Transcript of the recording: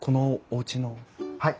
はい。